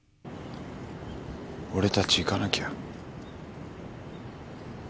俺たち行かなきゃ。